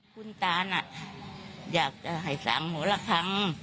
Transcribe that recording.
คุณตาน่ะอยากจะให้สั่งหัวละครั้ง